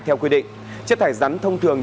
theo quy định chất thải rắn thông thường